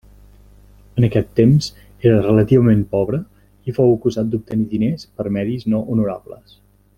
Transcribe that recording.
En aquest temps era relativament pobre i fou acusat d'obtenir diners per medis no honorables.